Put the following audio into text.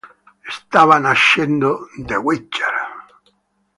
Stava nascendo "The Witcher".